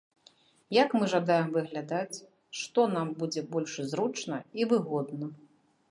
Як мы жадаем выглядаць, што нам будзе больш зручна і выгодна.